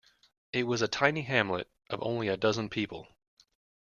It was a tiny hamlet of only a dozen people.